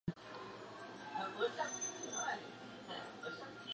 এবং সে আমার সম্পত্তি।